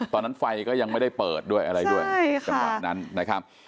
ตอนนั้นไฟก็ยังไม่ได้เปิดด้วยอะไรด้วยจังหวะนั้นนะครับ